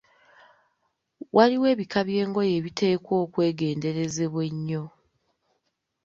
Waliwo ebika by'engoye ebiteekwa okwegenderezebwa ennyo.